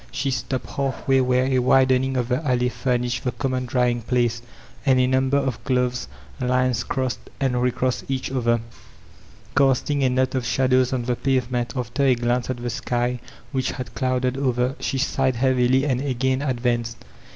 She stopped half way where a widening of the alley furnished the common drying place, and a number of clothes lines crossed and recrossed each other, casting a net of shad ows on the pavement; after a glance at the sky, which had clouded over, she sighed heavily and again advanced.